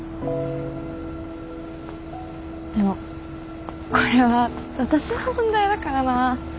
でもこれは私の問題だからな。